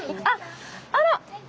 あっあら！